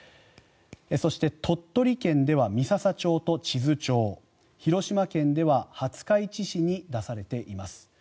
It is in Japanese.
そして、鳥取県では三朝町と智頭町広島県では廿日市市に出されています。